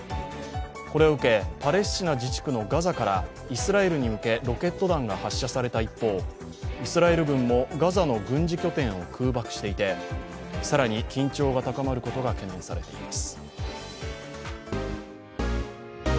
これを受け、パレスチナ自治区のガザからイスラエルに向けロケット弾が発射された一方、イスラエル軍もガザの軍事拠点を空爆していて更に緊張が高まることが懸念されています。